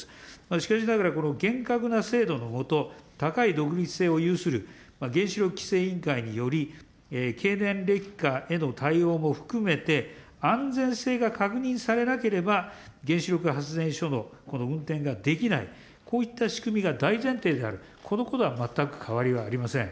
しかしながら、この厳格な制度の下、高い独立性を有する原子力規制委員会により、経年劣化への対応も含めて、安全性が確認されなければ原子力発電所のこの運転ができない、こういった仕組みが大前提である、このことは全く変わりはありません。